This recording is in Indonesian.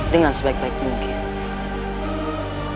dengan sebaik baik mungkin